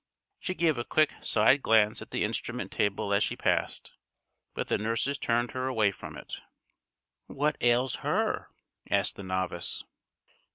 She gave a quick side glance at the instrument table as she passed, but the nurses turned her away from it. "What ails her?" asked the novice.